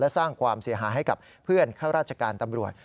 สร้างความเสียหายให้กับเพื่อนข้าราชการตำรวจ